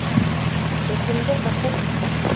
Тешемде ҡыҫып: